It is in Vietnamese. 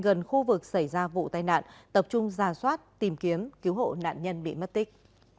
gần khu vực xảy ra vụ tai nạn tập trung ra soát tìm kiếm cứu hộ nạn nhân bị mất tích